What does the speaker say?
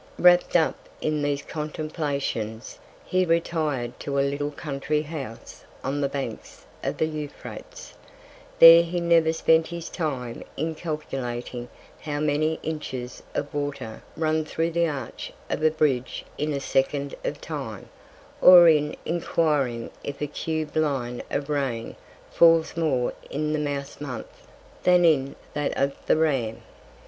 Wrapped up in these Contemplations, he retir'd to a little Country House on the Banks of the Euphrates; there he never spent his Time in calculating how many Inches of Water run thro' the Arch of a Bridge in a second of Time, or in enquiring if a Cube Line of Rain falls more in the Mouse Month, than in that of the Ram.